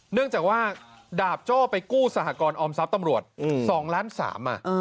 เนื่องจากว่าดาบโจ้ไปกู้สหกรออมทรัพย์ตำรวจ๒ล้าน๓